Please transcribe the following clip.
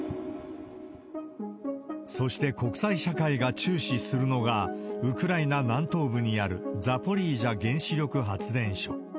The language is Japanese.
そして、国際社会が注視するのが、ウクライナ南東部にあるザポリージャ原子力発電所。